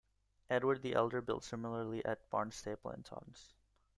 Edward the Elder built similarly at Barnstaple and Totnes.